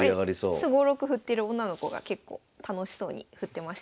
これすごろく振ってる女の子が結構楽しそうに振ってましたね。